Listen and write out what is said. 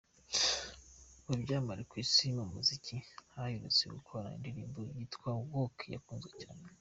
Ni ibyamamare ku Isi mu muziki, baherutse gukorana indirimbo yitwa ‘Work’ yakunzwe cyane.